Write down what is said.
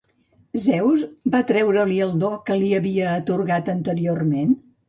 Zeus va treure-li el do que li havia atorgat anteriorment?